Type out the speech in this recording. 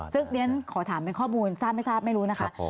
ซึ่งเรียนขอถามเป็นข้อมูลทราบไม่ทราบไม่รู้นะคะ